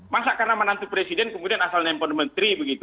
masa karena menantu presiden kemudian asal nempel menteri begitu